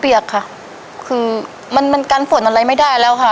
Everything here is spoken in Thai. เปียกค่ะคือมันกันฝนอะไรไม่ได้แล้วค่ะ